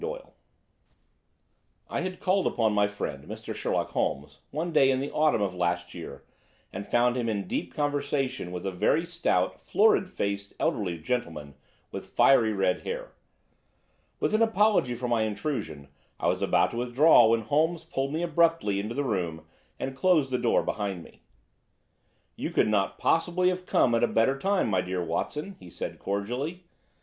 II. THE RED HEADED LEAGUE I had called upon my friend, Mr. Sherlock Holmes, one day in the autumn of last year and found him in deep conversation with a very stout, florid faced, elderly gentleman with fiery red hair. With an apology for my intrusion, I was about to withdraw when Holmes pulled me abruptly into the room and closed the door behind me. "You could not possibly have come at a better time, my dear Watson," he said cordially.